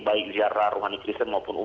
baik ziarah rohani kristen maupun